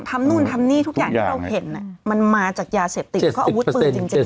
นู่นทำนี่ทุกอย่างที่เราเห็นมันมาจากยาเสพติดแล้วก็อาวุธปืนจริง